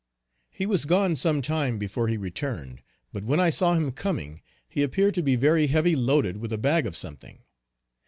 He was gone some time before he returned, but when I saw him coming, he appeared to be very heavy loaded with a bag of something.